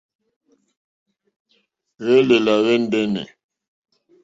Hwèlèlà hwɛ̀ ndɛ́nɛ̀.